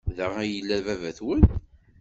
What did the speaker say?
Da ay yella baba-twen?